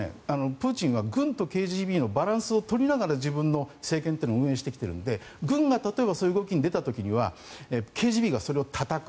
プーチンは軍とＫＧＢのバランスを取りながら自分の政権を運営してきているので軍がそういう動きに出てきた時はＫＧＢがそれをたたく。